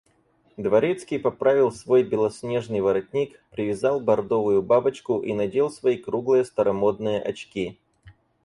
Дворецкий поправил свой белоснежный воротник, привязал бардовую бабочку и надел свои круглые старомодные очки.